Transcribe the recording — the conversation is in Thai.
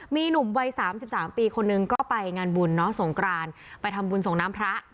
มีหนุ่มวัย๓๓ปีคนหนึ่งก็ไปงานบุญเนาะสงกรานไปทำบุญส่งน้ำพระ